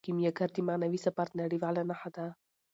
کیمیاګر د معنوي سفر نړیواله نښه ده.